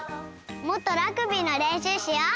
もっとラグビーのれんしゅうしよう！